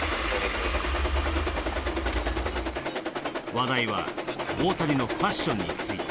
話題は大谷のファッションについて。